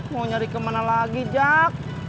mau nyari kemana lagi jak